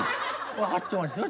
分かってますよ